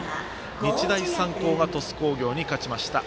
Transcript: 日大三高は鳥栖工業に勝ちました。